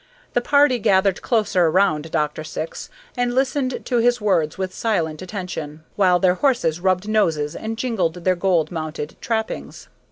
The party gathered closer around Dr. Syx and listened to his words with silent attention, while their horses rubbed noses and jingled their gold mounted trappings.